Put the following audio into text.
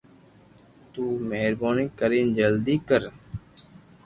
تو مھربوني ڪرين جلدي ڪر